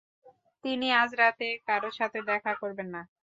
তিনি আজরাতে কারো সাথে দেখা করবেন না।